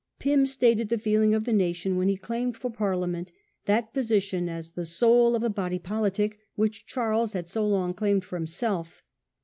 Pym stated the feeling of the nation when he claimed for Parliament that position as "the soul of the body politic" which Charles had so long claimed for himself.